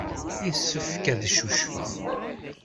Yessefk ad ccucfeɣ.